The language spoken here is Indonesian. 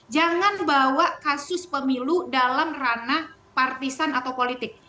jangan bawa kasus pemilu dalam ranah partisan atau politik